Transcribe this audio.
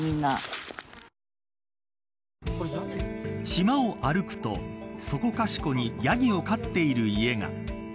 島を歩くとそこかしこにヤギを飼っている家が。